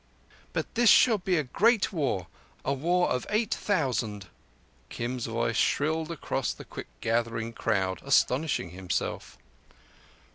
"But this shall be a great war—a war of eight thousand." Kim's voice shrilled across the quick gathering crowd, astonishing himself.